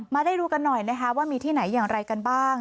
ได้ดูกันหน่อยนะคะว่ามีที่ไหนอย่างไรกันบ้าง